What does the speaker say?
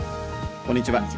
こんにちは。